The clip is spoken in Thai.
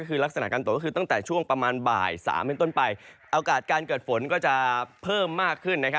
คือลักษณะการตกก็คือตั้งแต่ช่วงประมาณบ่าย๓เป็นต้นไป